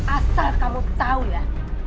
asal kamu tahu ya